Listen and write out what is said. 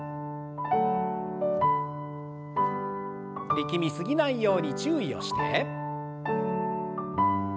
力み過ぎないように注意をして。